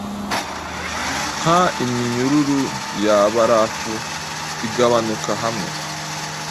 Nka iminyururu ya barafu igabanuka hamwe